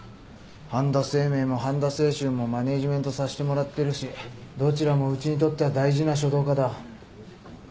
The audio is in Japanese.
半田清明も半田清舟もマネジメントさしてもらってるしどちらもうちにとっては大事な書道家だ。